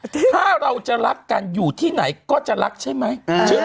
ถ้าเราจะรักกันอยู่ที่ไหนก็จะรักใช่ไหม